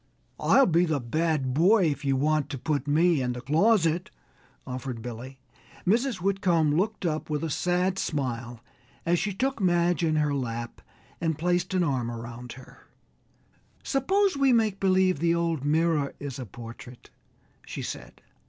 "I'll be the bad boy if you want to put me in the closet," offered Billy. Mrs. Whitcomb looked up with a sad smile, as she took Madge in her lap and placed an arm around him. "Suppose we make believe the old mirror is a portrait," she said.